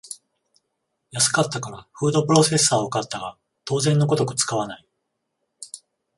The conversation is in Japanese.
安かったからフードプロセッサーを買ったが当然のごとく使わない